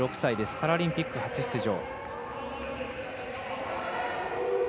パラリンピック初出場。